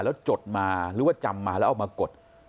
แล้วจดมาหรือว่าจำมาแล้วเอามากด